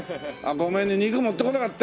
ごめんね肉持ってこなかったよ。